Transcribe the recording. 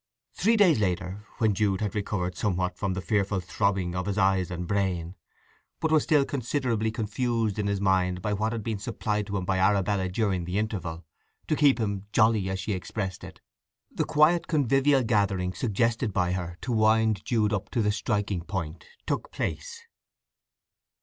Three days later, when Jude had recovered somewhat from the fearful throbbing of his eyes and brain, but was still considerably confused in his mind by what had been supplied to him by Arabella during the interval—to keep him, jolly, as she expressed it—the quiet convivial gathering, suggested by her, to wind Jude up to the striking point, took place.